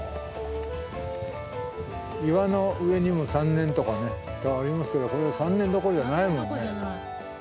「岩の上にも三年」とかね言いますけどこれ３年どころじゃないもんね。